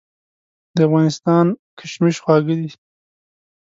د افغانستان کشمش خواږه دي.